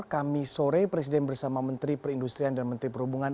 kami sore presiden bersama menteri perindustrian dan menteri perhubungan